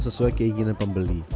sesuai keinginan pembeli